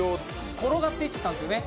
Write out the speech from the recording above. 転がっていったんですよね。